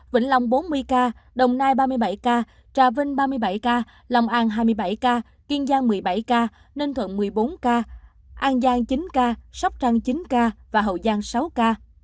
quảng bình ba mươi bảy ca lòng an hai mươi bảy ca kiên giang một mươi bảy ca ninh thuận một mươi bốn ca an giang chín ca sóc trăng chín ca hậu giang sáu ca